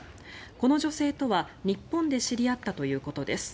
この女性とは日本で知り合ったということです。